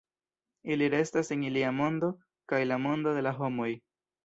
Ili restas en ilia mondo, kaj la mondo de la homoj.